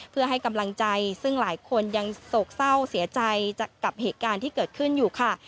เพื่อให้กำลังใจซึ่งหลายคนยังโศกเศร้าเสียใจกับเหตุการณ์ที่เกิดขึ้นอยู่ค่ะ